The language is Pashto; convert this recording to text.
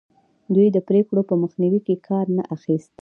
دوی د پرېکړو په مخنیوي کې کار نه اخیست.